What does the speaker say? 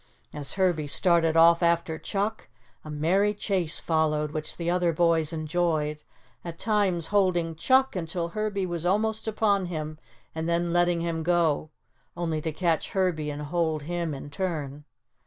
As Herbie started off after Chuck a merry chase followed which the other boys enjoyed, at times holding Chuck until Herbie was almost upon him and then letting him go, only to catch Herbie and hold him in turn.